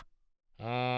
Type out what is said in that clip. うん。